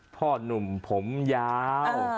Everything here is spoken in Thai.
พ่อนุ่มผมยาว